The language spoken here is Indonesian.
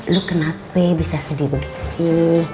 lu kenapa bisa sedih begini